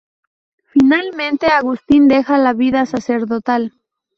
Finalmente, Agustín deja la vida sacerdotal.